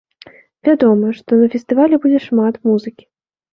Вядома, што на фестывалі будзе шмат музыкі.